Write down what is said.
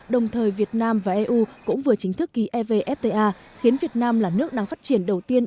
đồng thời việt nam và eu cũng vừa chính thức ký evfta khiến việt nam là nước đang phát triển đầu tiên